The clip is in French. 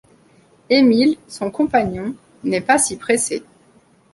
Émile, son compagnon, n'est pas si pressé.